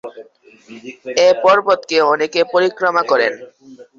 এই পর্বতকে অনেকে পরিক্রমা করেন।